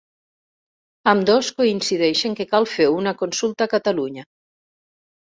Ambdós coincideixen que cal fer una consulta a Catalunya.